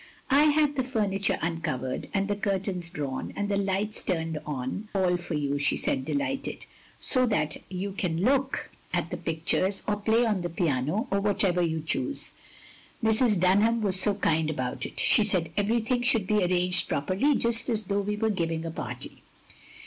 "I had the furniture uncovered, and the cur tains drawn, and the lights turned on, all for you, " she said, delighted, " so that vou can look '97 198 THE LONELY LADY at the pictures, or play on the piano, or whatever you choose. Mrs. Dunham was so kind about it ; she said everything should be arranged properly just as though we were giving a party.